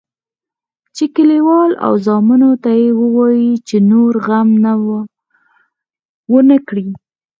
چې کلیوال او زامنو ته یې ووایي چې نور غم ونه کړي.